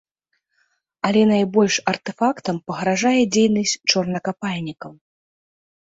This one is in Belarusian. Але найбольш артэфактам пагражае дзейнасць чорнакапальнікаў.